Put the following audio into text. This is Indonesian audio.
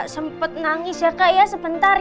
sempet nangis ya kak ya sebentar ya